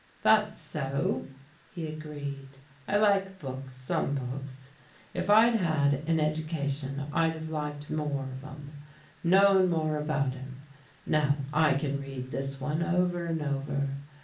"That's so," he agreed. "I like books some books. If I'd had an education, I'd have liked more of 'em, known more about 'em. Now I can read this one over and over.